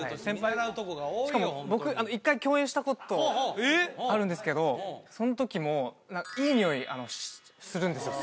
しかも僕１回共演したことあるんですけどそのときもするんですよ